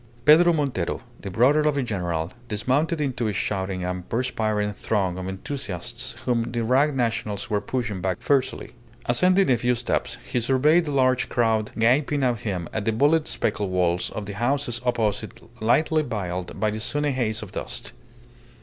Pedro Montero, the brother of the general, dismounted into a shouting and perspiring throng of enthusiasts whom the ragged Nationals were pushing back fiercely. Ascending a few steps he surveyed the large crowd gaping at him and the bullet speckled walls of the houses opposite lightly veiled by a sunny haze of dust.